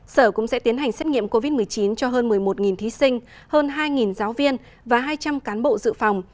sở cũng sẽ tiến hành xét nghiệm covid một mươi chín cho hơn một mươi một thí sinh hơn hai giáo viên và hai trăm linh cán bộ dự phòng